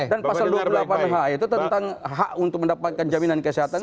pasal dua puluh delapan ha itu tentang hak untuk mendapatkan jaminan kesehatan